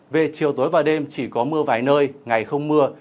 về chiều tối và đêm chỉ có mưa vài nơi ngày không mưa